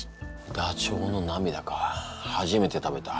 ダチョウの涙か初めて食べた。